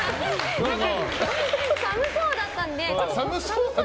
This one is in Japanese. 寒そうだったので。